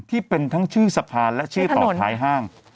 ที่เป็นทั้งชื่อสะพานและชื่อต่อท้ายห้าง